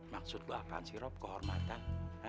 maksud gua akan si rob kehormatan